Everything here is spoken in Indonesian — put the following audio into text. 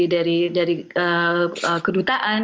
berantai dari kedutaan